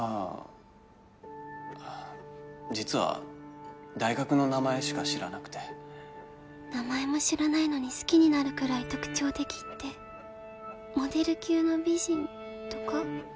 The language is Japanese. あ実は大学の名前しか知らなくて名前も知らないのに好きになるぐらい特徴的ってモデル級の美人とか？